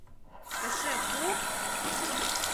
— Эше пу!